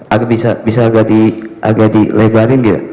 agak bisa agak di agak di lebarin gitu